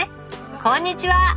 こんにちは！